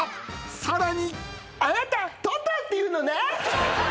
［さらに］